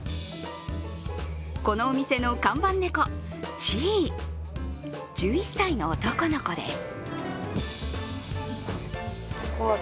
このお店の看板猫、チー、１１歳の男の子です。